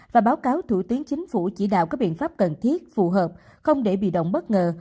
và báo cáo thủ tướng chính phủ chỉ đạo các biện pháp cần thiết phù hợp không để bị động bất ngờ